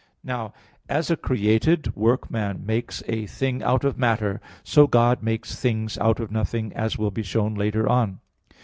Now, as a created workman makes a thing out of matter, so God makes things out of nothing, as will be shown later on (Q.